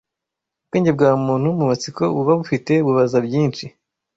Ubwenge bwa muntu mu matsiko buba bufite bubaza byinshi